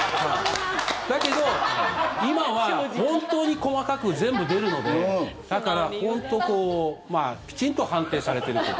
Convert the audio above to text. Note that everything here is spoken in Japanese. だけど、今は本当に細かく全部出るのでだからきちんと判定されていると。